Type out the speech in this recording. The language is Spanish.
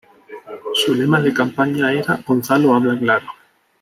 Su lema de campaña era "Gonzalo habla claro".